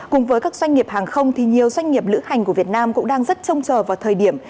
cùng với các doanh nghiệp hàng không thì nhiều doanh nghiệp lữ hành của việt nam cũng đang rất trông chờ vào thời điểm